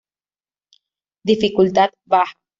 Dificultad: baja.